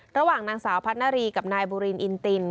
ระหว่างนางสาวพัฒนารีกับนายบูรินอินติน